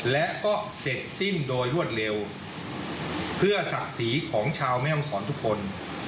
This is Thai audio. และก็เสร็จสิ้นโดยรวดเร็วเพื่อศักดิ์ศรีของชาวแม่ห้องศรทุกคน